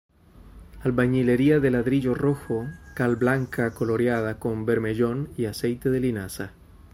Albañilería de ladrillo rojo, cal blanca coloreada con bermellón y aceite de linaza.